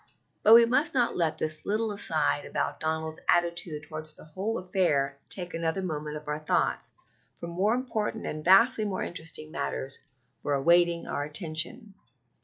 But we must not let this little aside about Donald's attitude toward the whole affair take another moment of our thoughts, for more important and vastly more interesting matters are awaiting our attention.